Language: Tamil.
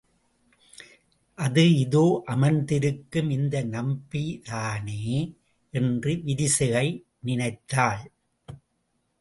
அது இதோ அமர்ந்திருக்கும் இந்த நம்பிதானோ? என்று விரிசிகை நினைத்தாள்.